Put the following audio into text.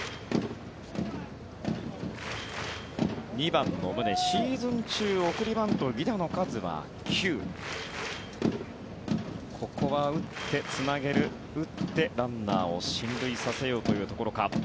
２番の宗、シーズン中の送りバント、犠打の数は９ここは打ってつなげる打って、ランナーを進塁させようというところか。